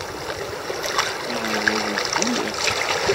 Aɣerbaz yettqelliq.